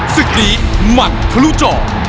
ศึกนี้มันพรุ่จอ